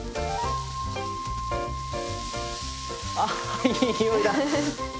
ああいい匂いだ！